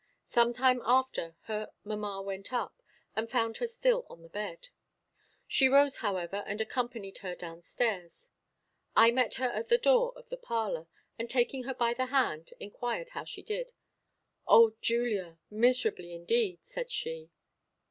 Some time after, her mamma went up, and found her still on the bed. She rose, however, and accompanied her down stairs. I met her at the door of the parlor, and, taking her by the hand, inquired how she did. "O Julia, miserably indeed," said she.